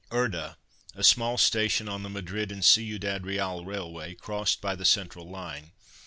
URDA, a small station on the Madrid and Ciudad Real Railway, crossed by the central line.